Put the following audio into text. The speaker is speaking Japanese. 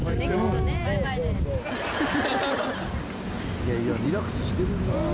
いやいやリラックスしてるね。